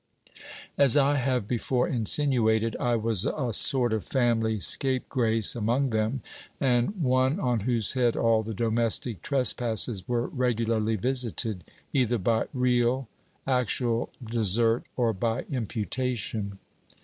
As I have before insinuated, I was a sort of family scape grace among them, and one on whose head all the domestic trespasses were regularly visited, either by real, actual desert or by imputation.